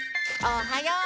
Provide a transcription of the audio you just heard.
おはよう！